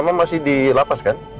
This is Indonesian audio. memang masih di lapas kan